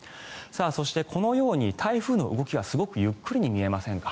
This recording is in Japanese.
そして、このように台風の動きがすごくゆっくりに見えませんか？